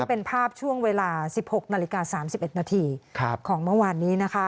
เป็นภาพช่วงเวลา๑๖นาฬิกา๓๑นาทีของเมื่อวานนี้นะคะ